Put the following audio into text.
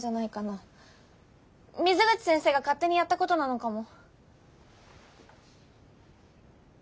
水口先生が勝手にやったことなのかも。